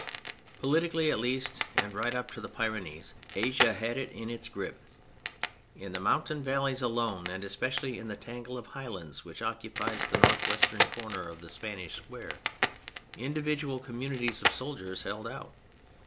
Politically, at least, and right up to the Pyrenees, Asia had it in its grip. In the mountain valleys alone, and especially in the tangle of highlands which occupies the northwestern corner of the Spanish square, individual communities of soldiers held out.